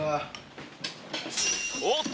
おっと！